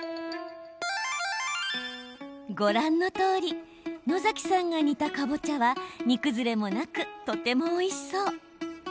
ご覧のとおり野崎さんが煮たかぼちゃは煮崩れもなく、とてもおいしそう。